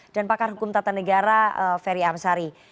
dan pakar hukum tata negara ferry amsari